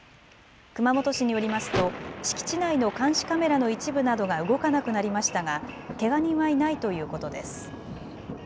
熊本市によりますと敷地内の監視カメラの一部などが動かなくなりましたがけが人はいないということです。